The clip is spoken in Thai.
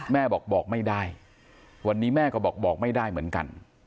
แม่บอกบอกไม่ได้วันนี้แม่ก็บอกบอกไม่ได้เหมือนกัน